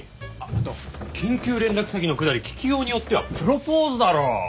あっあと緊急連絡先のくだり聞きようによってはプロポーズだろ！